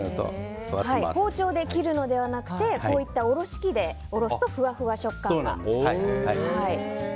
包丁で切るのではなくてこういったおろし器でおろすとふわふわ食感に。